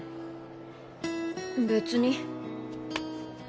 別に。